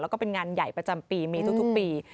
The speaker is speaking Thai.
แล้วก็เป็นงานใหญ่ประจำปีมีทุกปี